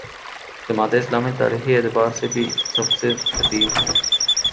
جماعت اسلامی تاریخی اعتبار سے بھی سب سے قدیم ہے۔